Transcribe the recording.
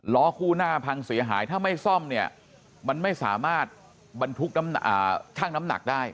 คู่หน้าพังเสียหายถ้าไม่ซ่อมเนี่ยมันไม่สามารถบรรทุกชั่งน้ำหนักได้